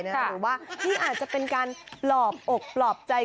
หรือว่านี่อาจจะเป็นการปลอบอกปลอบใจ